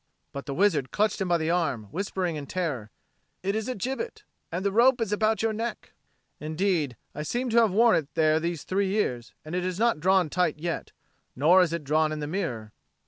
But the wizard clutched him by the arm, whispering in terror, "It is a gibbet; and the rope is about your neck." "Indeed, I seem to have worn it there these three years, and it is not drawn tight yet; nor is it drawn in the mirror."